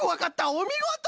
おみごと！